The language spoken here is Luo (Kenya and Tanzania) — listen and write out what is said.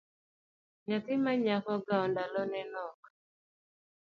Nyathi manyako ng’aw ndalone nok